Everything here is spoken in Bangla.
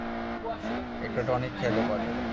একটা টনিক খাইলে পারে।